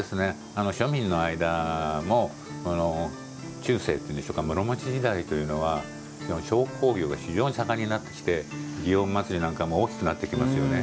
庶民の間も中世、室町時代というのは商工業が非常に盛んになってきて祇園祭なんかも大きくなってきますよね。